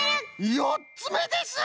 よっつめです！